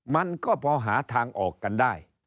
มันก็พอหาทางออกกันได้